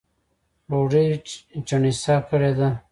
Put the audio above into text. ډوډۍ چڼېسه کړې ده